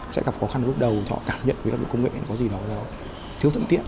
sẽ gặp khó khăn lúc đầu họ cảm nhận với công nghệ có gì đó thiếu thượng tiện